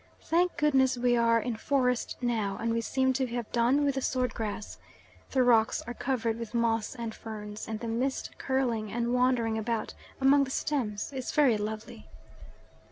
Thank goodness we are in forest now, and we seem to have done with the sword grass. The rocks are covered with moss and ferns, and the mist curling and wandering about among the stems is very lovely.